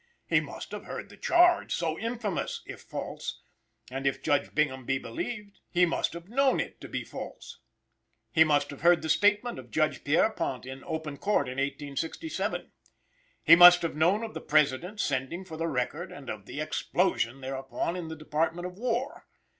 He must have heard the charge, so infamous if false, and, if Judge Bingham be believed, he must have known it to be false. He must have heard the statement of Judge Pierrepont in open court in 1867. He must have known of the President's sending for the record and of the explosion thereupon in the Department of War.